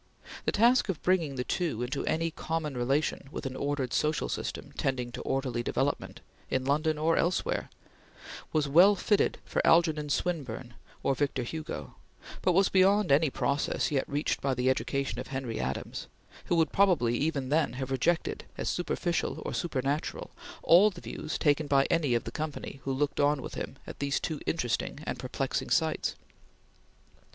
The task of bringing the two into any common relation with an ordered social system tending to orderly development in London or elsewhere was well fitted for Algernon Swinburne or Victor Hugo, but was beyond any process yet reached by the education of Henry Adams, who would probably, even then, have rejected, as superficial or supernatural, all the views taken by any of the company who looked on with him at these two interesting and perplexing sights.